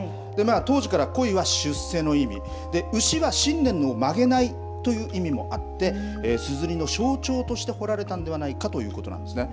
当時から、こいは出世の意味牛は信念を曲げないという意味もあってすずりの象徴として彫られたのではないかということなんですね。